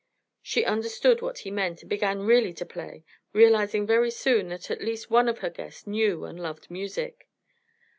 She understood what he meant and began really to play, realizing very soon that at least one of her guests knew and loved music.